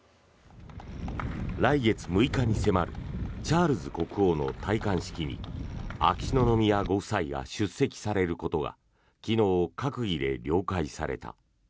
来月６日に迫るチャールズ国王の戴冠式に秋篠宮ご夫妻が出席されることが昨日、閣議で了解された。